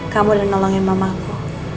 kamu udah nolongin mamaku